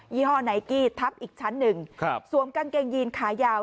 ี่ห้อไนกี้ทับอีกชั้นหนึ่งครับสวมกางเกงยีนขายาว